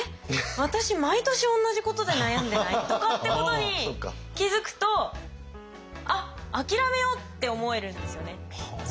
私毎年同じことで悩んでない？」とかってことに気付くと「あっ諦めよう」って思えるんですよね。